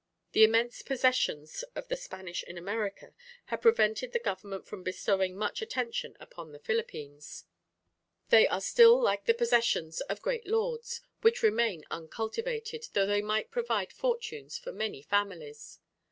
The immense possessions of the Spanish in America have prevented the government from bestowing much attention upon the Philippines. They are still like the possessions of great lords, which remain uncultivated, though they might provide fortunes for many families.